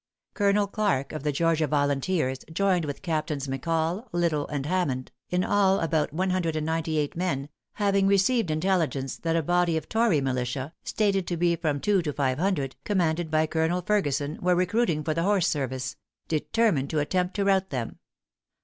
Colonel Clarke, of the Georgia volunteers, joined with Captains McCall, Liddle, and Hammond, in all about one hundred and ninety eight men having received intelligence that a body of tory militia, stated to be from two to five hundred, commanded by Colonel Ferguson, were recruiting for the horse service determined to attempt to rout them.